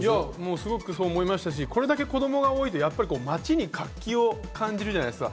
すごくそう思いましたし、子どもが多いと街に活気を感じるじゃないですか。